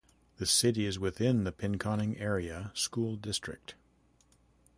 The city is within the Pinconning Area School District.